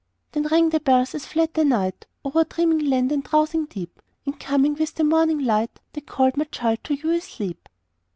Then rang the bells as fled the night O'er dreaming land and drowsing deep, And coming with the morning light, They called, my child, to you asleep.